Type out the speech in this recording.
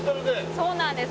そうなんです。